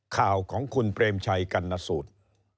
ข่าวของคุณเปรมชัยกรรณสูตร